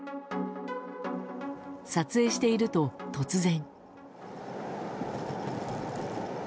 撮影していると、突然。